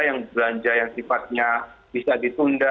yang belanja yang sifatnya bisa ditunda